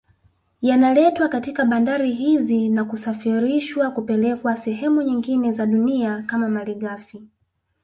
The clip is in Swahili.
Yanaletwa katika bandari hizi na kusafirishwa kupelekwa sehemu nyingine za dunia kama malighafi